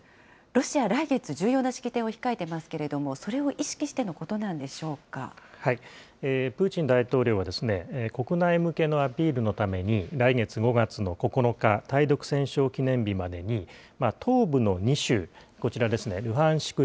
ロシアは来月、重要な式典を控えてますけれども、それを意識してプーチン大統領は国内向けのアピールのために、来月５月の９日、対独戦勝記念日までに東部の２州、こちらですね、ルハンシク